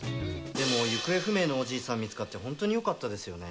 でも行方不明のおじいさん見つかってホントによかったですよね。